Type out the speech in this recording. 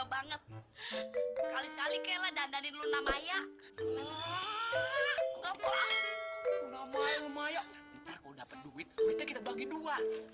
banget sekali sekali kela dandanin luna maya